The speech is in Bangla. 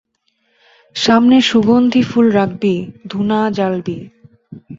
সামনে সুগন্ধি ফুল রাখবি, ধুনা জ্বালবি।